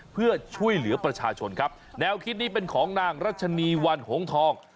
เพื่อช่วยเหลือประชาชนครับแนวคิดนี้เป็นของนางรัชนีวันหงทอง